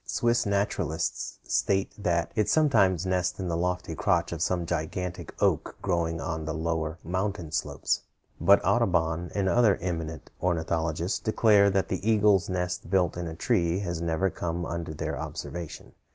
Swiss naturalists state that it sometimes nests in the lofty crotch of some gigantic oak growing on the lower mountain slopes, but Audubon and other eminent ornithologists declare that an eagle's nest built in a tree has never come under their observation.